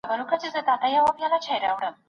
ما خپل ټول اسناد په یو بکس کي منظم کړل.